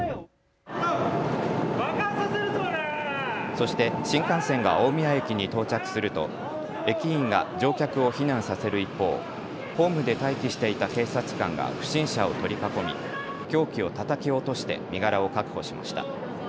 そして新幹線が大宮駅に到着すると駅員が乗客を避難させる一方、ホームで待機していた警察官が不審者を取り囲み凶器をたたき落として身柄を確保しました。